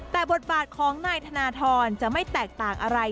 แต่บทบาทของนายธนทรจะไม่แตกต่างอะไร